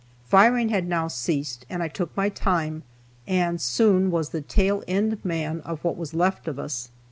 Firing had now ceased, and I took my time, and soon was the tail end man of what was left of us.